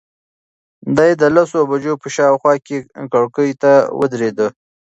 دی د لسو بجو په شاوخوا کې کړکۍ ته ودرېد.